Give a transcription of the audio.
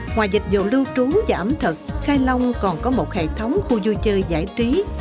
ngoài dịch vụ lưu trú và ẩm thực khai long còn có một hệ thống khu vui chơi giải trí